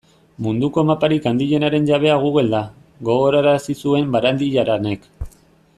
Munduko maparik handienaren jabea Google da, gogorarazi zuen Barandiaranek.